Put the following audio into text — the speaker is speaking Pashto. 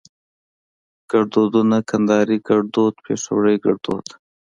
ګړدودونه کندهاري ګړدود پېښوري ګړدود